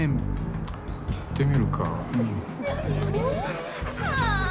行ってみるか。